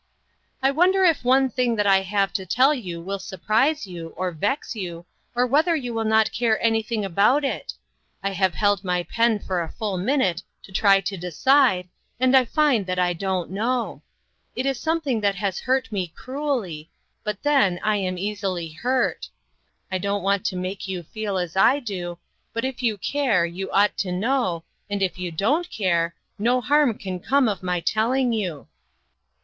" I wonder if one thing that I have to tell will surprise you, or vex you, or whether you will not care anything about it? I have held my pen for a full minute to try to decide, and I find that I don't know. It is something that has hurt me cruelly, but then I am easily hurt. I don't want to make you feel as I do ; but if you care, you ought to know, and if you don't care, no harm can come of my telling you.